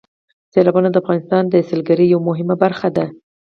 سیلابونه د افغانستان د سیلګرۍ یوه مهمه برخه ده.